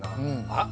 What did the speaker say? あっ！